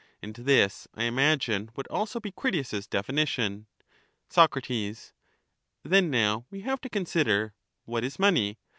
; and this, I imagine, would also be Critias' definition. Soc. Then now we have to consider, What is money?